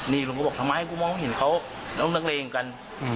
นี่ลุงก็บอกทำไมกูมองเห็นเขาน้องนักเลงกัน